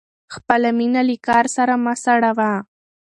خپله مینه له کار سره مه سړوه.